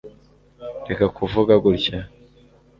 reka kuvuga gutya